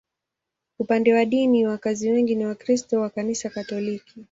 Upande wa dini, wakazi wengi ni Wakristo wa Kanisa Katoliki.